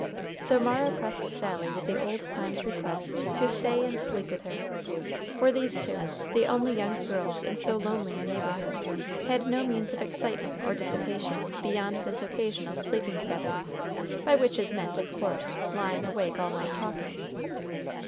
So Mara pressed Sally with the old times request to stay and sleep with her; for these two, the only young girls in so lonely a neighborhood, had no means of excitement or dissipation beyond this occasional sleeping together by which is meant, of course, lying awake all night talking.